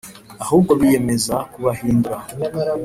Ahubwo biyemeza kubahindura